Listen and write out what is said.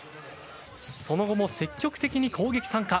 その後も積極的に攻撃参加。